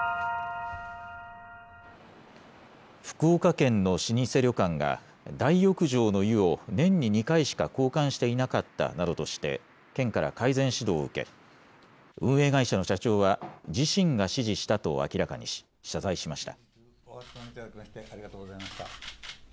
福岡県の老舗旅館が、大浴場の湯を年に２回しか交換していなかったなどとして、県から改善指導を受け、運営会社の社長は、自身が指示したと明らかにし、謝罪しました。